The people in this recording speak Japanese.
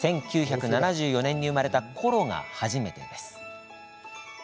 １９７４年に生まれたコロが初めてです。